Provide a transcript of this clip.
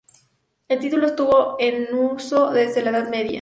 El título estuvo en uso desde la Edad Media.